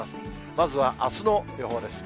まずは、あすの予報です。